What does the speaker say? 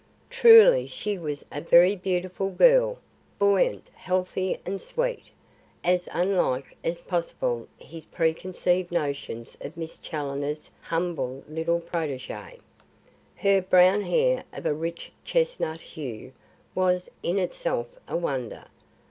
Truly she was a very beautiful girl, buoyant, healthy and sweet; as unlike as possible his preconceived notions of Miss Challoner's humble little protegee. Her brown hair of a rich chestnut hue, was in itself a wonder.